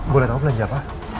boleh tau belanja apa